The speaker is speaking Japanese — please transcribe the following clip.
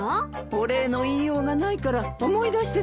お礼の言いようがないから思い出してちょうだい。